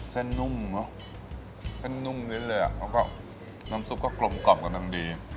เส้นนุ่มเนอะเส้นนุ่มลิ้นเลยอ่ะแล้วก็น้ำซุปก็กลมกล่อมกำลังดี